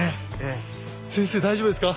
先生大丈夫ですか？